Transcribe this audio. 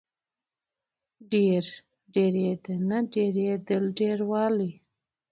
ډېر، ډېرېدنه، ډېرېدل، ډېروالی